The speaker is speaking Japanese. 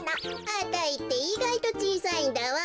あたいっていがいとちいさいんだわべ。